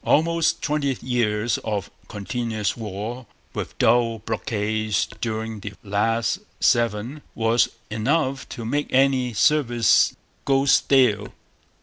Almost twenty years of continuous war, with dull blockades during the last seven, was enough to make any service 'go stale.'